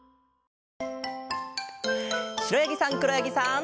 しろやぎさんくろやぎさん。